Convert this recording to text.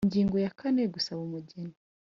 Ingingo ya kane Gusaba umugeni